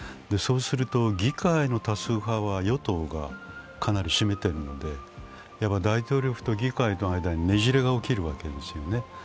そうすると議会の多数派は与党がかなり占めているので大統領府と議会との間にねじれが起きるわけですよね。